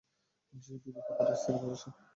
জি, দিদি কাপড় ইস্ত্রি করছে।